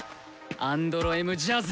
アンドロ・Ｍ・ジャズ！